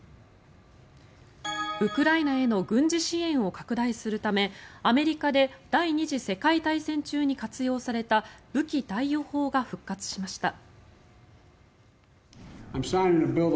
ウクライナへの軍事支援を拡大するためアメリカで第２次世界大戦中に活用された武器貸与法が復活しました。